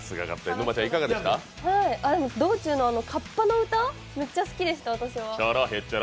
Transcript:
道中のかっぱの歌、めっちゃ好きでした、私も。